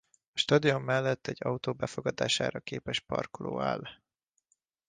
A stadion mellett egy autó befogadására képes parkoló áll.